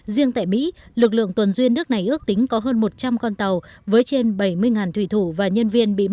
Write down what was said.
riêng tại mỹ lực lượng tuần duyên nước này ước tính có hơn một trăm linh con tàu với trên bảy mươi thủy thủ và nhân viên